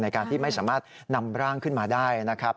การที่ไม่สามารถนำร่างขึ้นมาได้นะครับ